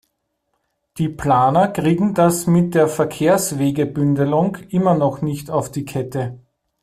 Die Planer kriegen das mit der Verkehrswegebündelung immer noch nicht auf die Kette.